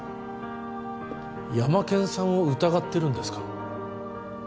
ヤマケンさんを疑ってるんですか？